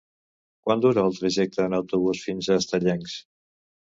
Quant dura el trajecte en autobús fins a Estellencs?